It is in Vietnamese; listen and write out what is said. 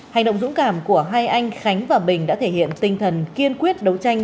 hành động dũng cảm của hai anh khánh và bình đã thể hiện tinh thần kiên quyết đấu tranh